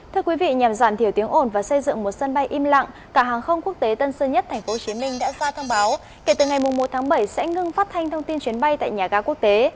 thưa quý vị nhằm giảm thiểu tiếng ồn và xây dựng một sân bay im lặng cả hàng không quốc tế tân sơn nhất tp hcm đã ra thông báo kể từ ngày một tháng bảy sẽ ngưng phát thanh thông tin chuyến bay tại nhà ga quốc tế